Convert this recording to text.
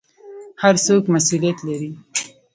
هر څوک مسوولیت لري